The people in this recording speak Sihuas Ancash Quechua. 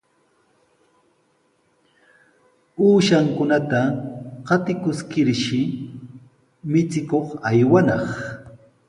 Uushankunata qatikuskirshi michikuq aywanaq.